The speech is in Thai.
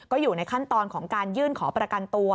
ก็อยู่ในขั้นตอนของการยื่นขอประกันตัว